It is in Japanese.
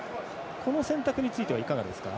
この選択についてはいかがですか。